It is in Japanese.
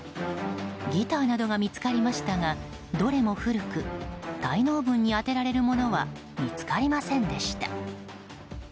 ギターなどが見つかりましたがどれも古く滞納分に充てられるものは見つかりませんでした。